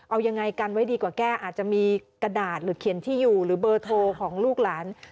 เอายังไงกันไว้ดีกว่าแก้อาจจะมีกระดาษหรือเขียนที่อยู่หรือเบอร์โทรของลูกหลาน